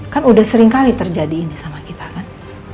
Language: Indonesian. kan udah seringkali terjadi ini sama kita kan